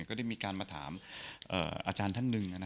ก็ได้มีการมาถามอาจารย์ท่านหนึ่ง